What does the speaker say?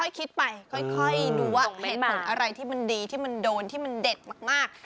คิดไปค่อยดูว่าเหตุผลอะไรที่มันดีที่มันโดนที่มันเด็ดมาก